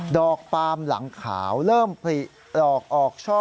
ดอกปาล์มหลังขาวเริ่มผลิตออกช่อ